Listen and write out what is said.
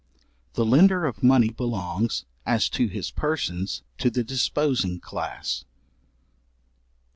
The lender of money belongs, as to his persons, to the disposing class.